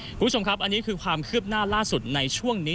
คุณผู้ชมครับอันนี้คือความคืบหน้าล่าสุดในช่วงนี้